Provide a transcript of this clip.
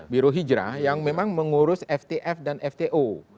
birohijrah yang memang mengurus ftf dan fto